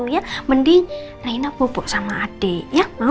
ya mending reina bobok sama adek ya mau